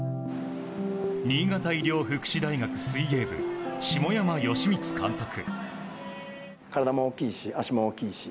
新潟医療福祉大学水泳部下山好充監督。